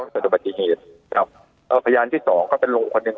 ครับสถิติปฏิหิตครับเอ่อพยานที่สองก็เป็นลุงคนนึง